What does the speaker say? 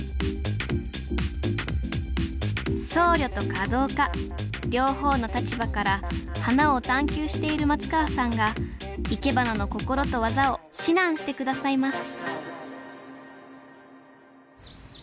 僧侶と華道家両方の立場から花を探究している松川さんがいけばなの心と技を指南して下さいます